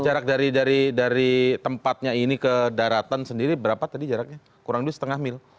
jarak dari tempatnya ini ke daratan sendiri berapa tadi jaraknya kurang lebih setengah mil